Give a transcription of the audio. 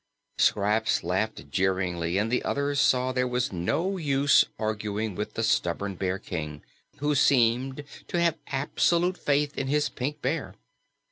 Scraps laughed jeeringly, and the others saw there was no use arguing with the stubborn Bear King, who seemed to have absolute faith in his Pink Bear.